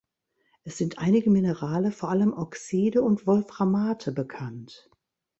Es sind einige Minerale, vor allem Oxide und Wolframate bekannt.